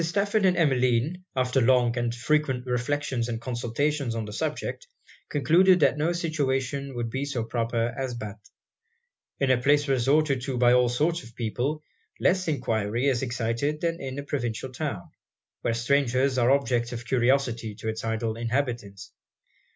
Stafford and Emmeline, after long and frequent reflections and consultations on the subject, concluded that no situation would be so proper as Bath. In a place resorted to by all sorts of people, less enquiry is excited than in a provincial town, where strangers are objects of curiosity to it's idle inhabitants.